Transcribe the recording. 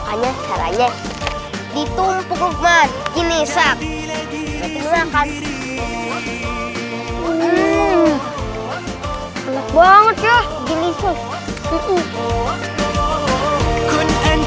kalau aku lukman